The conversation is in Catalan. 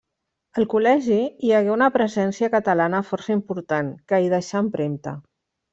Al Col·legi hi hagué una presència catalana força important, que hi deixà empremta.